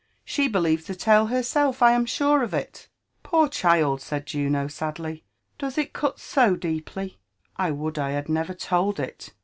She believes the tale herself, 1 am sure of 4t." 9cm child !" said Juno eadly ;'* doeb H cut so deeply t I would I had never told it!